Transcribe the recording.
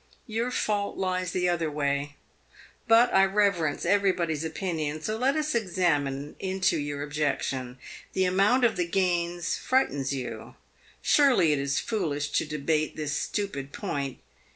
Your fault lies the other way. But I reverence everybody's opinion, so let us examine into your objection. The amount of the gains frightens you. Surely it is foolish to debate this stupid point.